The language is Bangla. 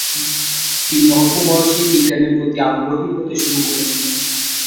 তিনি অল্প বয়সেই বিজ্ঞানের প্রতি আগ্রহী হতে শুরু করেছিলেন।